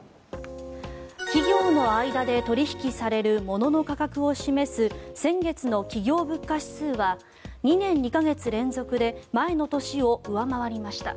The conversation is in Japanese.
企業の間で取引される物の価格を示す先月の企業物価指数は２年２か月連続で前の年を上回りました。